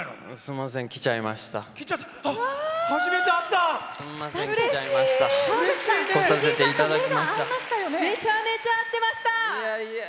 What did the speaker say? めちゃめちゃ合ってました！